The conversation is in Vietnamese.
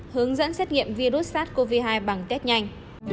hướng dẫn xét nghiệm virus sars cov hai bằng test nhanh